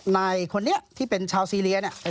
ในคนนี้ที่เป็นชาวซีเรีย